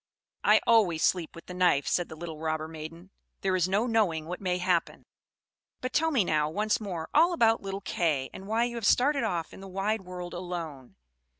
"I always sleep with the knife," said the little robber maiden. "There is no knowing what may happen. But tell me now, once more, all about little Kay; and why you have started off in the wide world alone."